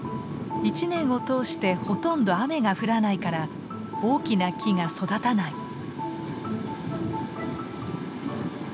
一年を通してほとんど雨が降らないから大きな木が育たない。